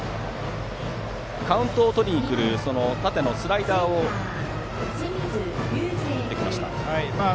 カウントをとりにくる縦のスライダーを振ってきました。